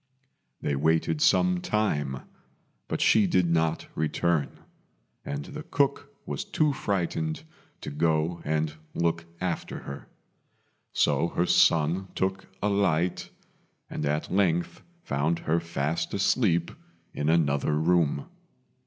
They waited some time, but she did not return, and the cook was too frightened to go and look after her; so her son took a light, and at length found her fast asleep in another room.